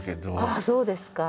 ああそうですか。